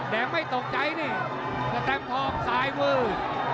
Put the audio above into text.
แดงไม่ตกใจนี่แต่แดมทองสายเวอร์